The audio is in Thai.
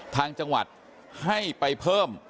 ทางจังหวัดให้ไปเพิ่ม